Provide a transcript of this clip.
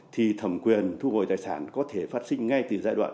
thì thẩm quyền thu hồi tài sản có thể phát sinh ngay từ giai đoạn